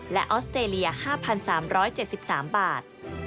และออสเตรเลีย๕๓๗๓บาท